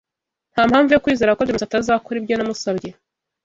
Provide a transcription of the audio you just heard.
Ntampamvu yo kwizera ko James atazakora ibyo namusabye.